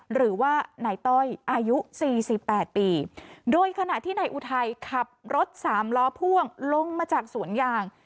หรือว่านายต้อยอายุสี่สิบแปดปีโดยขณะที่นายอุทัยขับรถสามล้อพ่วงลงมาจากสวนยาง